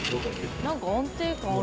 何か安定感ある。